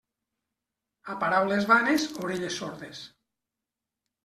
A paraules vanes, orelles sordes.